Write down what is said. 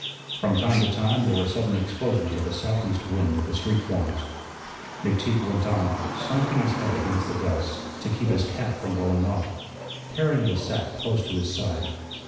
From time to time there were sudden explosions of a southeast wind at the street corners. McTeague went on, slanting his head against the gusts, to keep his cap from blowing off, carrying the sack close to his side.